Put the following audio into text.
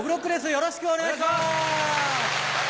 よろしくお願いします！